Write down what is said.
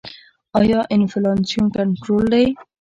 آیا انفلاسیون کنټرول دی؟